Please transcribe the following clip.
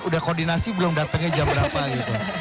udah koordinasi belum datangnya jam berapa gitu